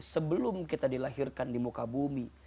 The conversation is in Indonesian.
sebelum kita dilahirkan di muka bumi